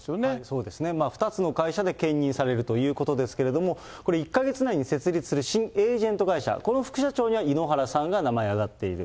そうですね、２つの会社で兼任されるということですけれども、これ、１か月以内に設立する新エージェント会社、この副社長には井ノ原さんが名前が挙がっている。